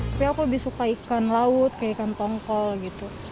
tapi aku lebih suka ikan laut kayak ikan tongkol gitu